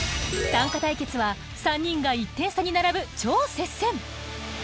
短歌対決は３人が１点差に並ぶ超接戦。